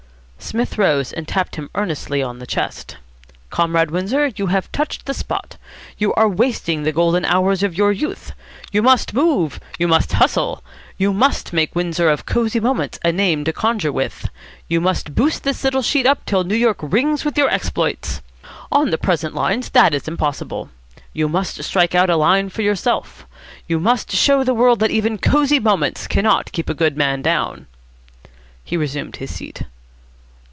Psmith rose, and tapped him earnestly on the chest. "Comrade Windsor, you have touched the spot. You are wasting the golden hours of your youth. You must move. You must hustle. You must make Windsor of Cosy Moments a name to conjure with. You must boost this sheet up till New York rings with your exploits. On the present lines that is impossible. You must strike out a line for yourself. You must show the world that even Cosy Moments cannot keep a good man down." He resumed his seat.